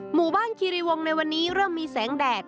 หมู่บ้านคิริวงศ์ในวันนี้เริ่มมีแสงแดด